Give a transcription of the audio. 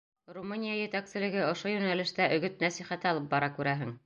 Румыния етәкселеге ошо йүнәлештә өгөт-нәсихәт алып бара, күрәһең.